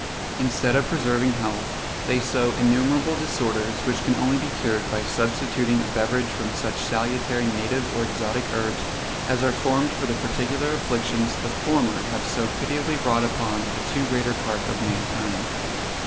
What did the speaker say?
Instead of preserving health, they sow innumerable disorders, which can only be cured by substituting a beverage from such salutary native or exotic herbs as are formed for the particular afflictions the former have so pitiably brought upon the too greater part of mankind.